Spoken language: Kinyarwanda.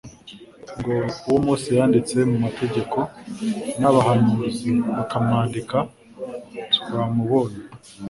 ngo: «Uwo Mose yanditse mu mategeko, n'abahanuzi bakamwandika twamubonye.»